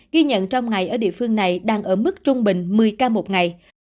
ghi nhận trong ngày ở địa phương này đang ở mức trung bình một mươi ca một ngày